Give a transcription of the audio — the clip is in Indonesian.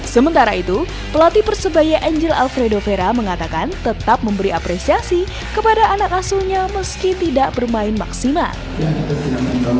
sementara itu pelatih persebaya angel alfredo vera mengatakan tetap memberi apresiasi kepada anak asuhnya meski tidak bermain maksimal